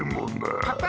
パパ！